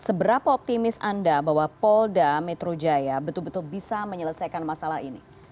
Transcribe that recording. seberapa optimis anda bahwa polda metro jaya betul betul bisa menyelesaikan masalah ini